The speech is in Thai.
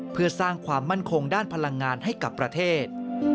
เพื่อสร้างความมั่นคงด้านพลังงานให้กับประเทศ